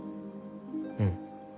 うん。